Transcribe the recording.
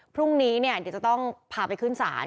พรุ่งนี้เดี๋ยวจะต้องพาไปขึ้นศาล